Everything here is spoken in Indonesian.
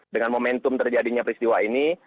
dengan momentum terjadinya peristiwa ini